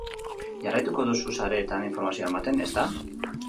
Jarraituko duzu sareetan informazioa ematen, ezta?